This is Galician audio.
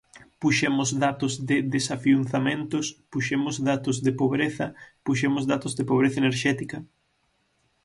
Puxemos datos de desafiuzamentos, puxemos datos de pobreza, puxemos datos de pobreza enerxética.